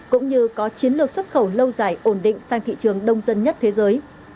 cũng như có chiến lược xuất khẩu lâu dài ổn định sang thị trường đông dân nhất thế giới